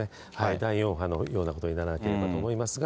第４波のようなことにならなければと思いますが。